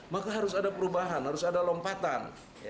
maka harus ada perubahan harus ada lompatan